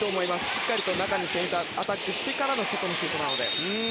しっかり中にアタックしてから外のシュートなので。